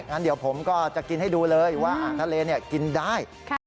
งั้นเดี๋ยวผมก็จะกินให้ดูเลยว่าอ่างทะเลกินได้